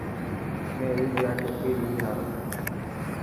مين عيد لاءِ ٽوپي لي هان.